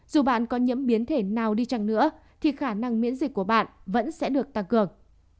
dù bạn có những biến thể nào đi chăng nữa thì khả năng miễn dịch của bạn vẫn sẽ được tăng cường